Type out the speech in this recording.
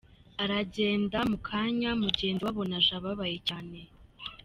Aragenda, mu kanya mugenzi we abona aje ababaye cyane.